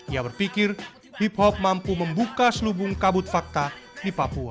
ia berpikir hip hop mampu membuka selubung kabut fakta di papua